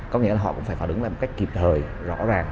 có nghĩa là họ cũng phải phản ứng lên một cách kịp thời rõ ràng